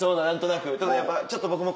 ただやっぱちょっと僕も。